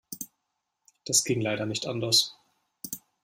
Das ging leider nicht anders.